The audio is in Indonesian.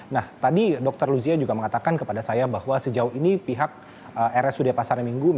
nah tadi dokter luzia juga mengatakan kepada saya bahwa sejauh ini pihak rsud pasar minggu